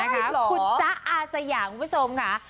ได้เหรอคุณจ๊ะอาสยาคุณผู้ชมค่ะ